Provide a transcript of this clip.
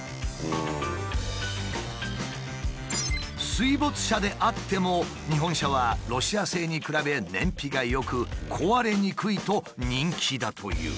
水没車であっても日本車はロシア製に比べ燃費が良く壊れにくいと人気だという。